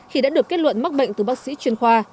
khi đã được kết luận mắc bệnh từ bác sĩ chuyên khoa